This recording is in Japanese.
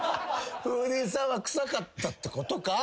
フーディーさんは臭かったってことか！？